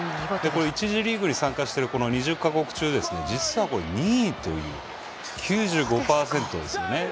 １次リーグに参加している２０か国中、２位という９５％ですね。